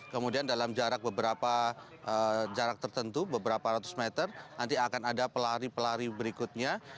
kemudian dalam jarak beberapa jarak tertentu beberapa ratus meter nanti akan ada pelari pelari berikutnya